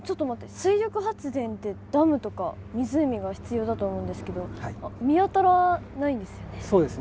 水力発電ってダムとか湖が必要だと思うんですけど見当たらないんですよね。